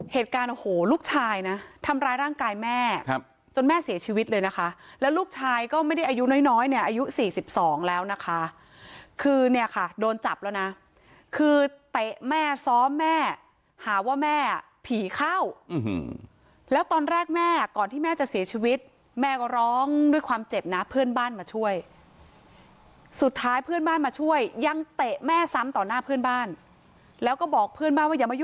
เหตุการณ์โอ้โหลูกชายนะทำร้ายร่างกายแม่จนแม่เสียชีวิตเลยนะคะแล้วลูกชายก็ไม่ได้อายุน้อยน้อยเนี่ยอายุ๔๒แล้วนะคะคือเนี่ยค่ะโดนจับแล้วนะคือเตะแม่ซ้อมแม่หาว่าแม่ผีเข้าแล้วตอนแรกแม่ก่อนที่แม่จะเสียชีวิตแม่ก็ร้องด้วยความเจ็บนะเพื่อนบ้านมาช่วยสุดท้ายเพื่อนบ้านมาช่วยยังเตะแม่ซ้ำต่อหน้าเพื่อนบ้านแล้วก็บอกเพื่อนบ้านว่ายังไม่